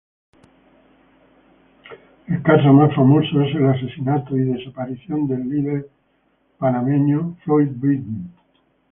El caso más famoso es el asesinato y desaparición del líder izquierdista Floyd Britton.